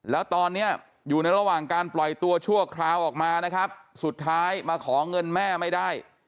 แล้วตอนนี้อยู่ในระหว่างการปล่อยตัวชั่วคราวออกมานะครับสุดท้ายมาขอเงินแม่ไม่ได้